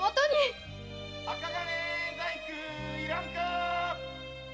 ・銅細工いらんか！